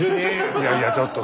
いやいやちょっと。